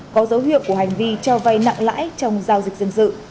có dấu hiệu của hành vi cho vay nặng lãi trong giao dịch dân sự